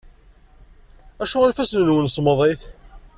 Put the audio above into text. Acuɣer ifassen-nwen semmḍit?